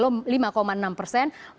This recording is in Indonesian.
untuk keterangan ekonomi indonesia